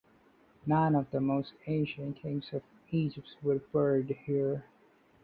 Nine of the most ancient kings of Egypt were buried here.